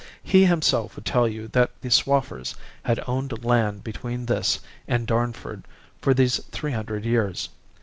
He himself would tell you that the Swaffers had owned land between this and Darnford for these three hundred years.